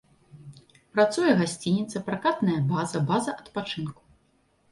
Працуе гасцініца, пракатная база, база адпачынку.